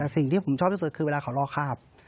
สิ่งที่ผมชอบที่สุดคือเวลาเขารอคาบ